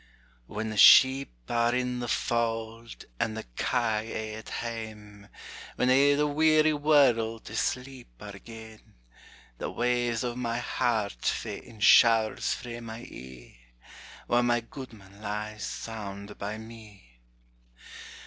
When the sheep are in the fauld and the kye a' at hame, When a' the weary world to sleep are gane, The waes o' my heart fa' in showers frae my e'e, While my gudeman lies sound by me.